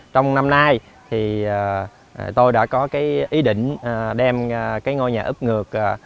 trong năm nay tôi đã có ý định đem ngôi nhà ướp ngược